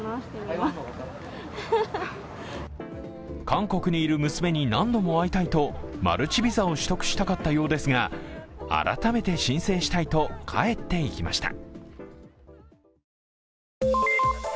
韓国にいる娘に何度も会いたいと、マルチビザを取得したかったようですが、改めて申請したいと帰っていきました。